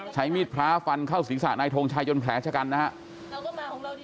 ใช้มีดพร้าฟันเข้าศิษย์ศาสตร์นายทงชัยจนแผลชะกันนะครับ